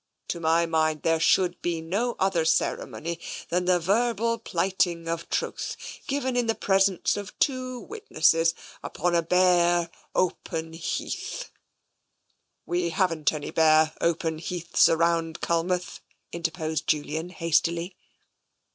To my mind, there should be no other ceremony than the verbal plighting of troth, given in the presence of two witnesses, upon the bare, open heath "" We haven't any bare, open heaths round Cul mouth," interposed Julian hastily.